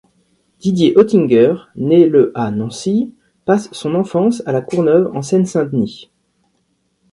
Didier Ottinger, né le à Nancy, passe son enfance à La Courneuve en Seine-Saint-Denis.